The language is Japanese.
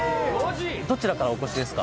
どちらからお越しですか？